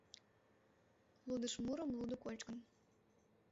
Лудышмурым лудо кочкын.